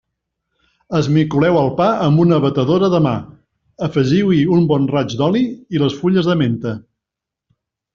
Esmicoleu el pa amb una batedora de mà, afegiu-hi un bon raig d'oli i les fulles de menta.